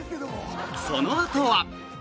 そのあとは。